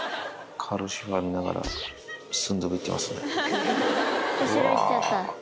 カルシファー見ながら、スンドゥブいってますね。